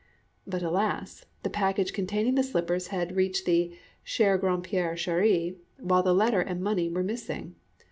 But, alas! the package containing the slippers had reached the "cher grandpère cheri," while the letter and money were missing.